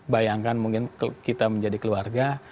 bayangkan mungkin kita menjadi keluarga